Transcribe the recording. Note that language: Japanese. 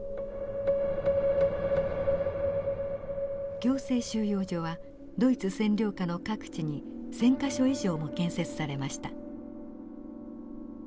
強制収容所はドイツ占領下の各地に１，０００か所以上も建設されました。